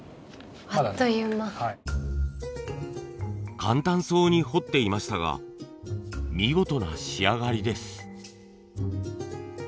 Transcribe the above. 簡単そうに彫っていましたが見事な仕上がりです。